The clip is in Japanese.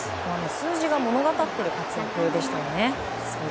数字が物語っている活躍でしたよね。